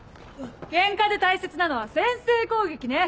ケンカで大切なのは先制攻撃ね。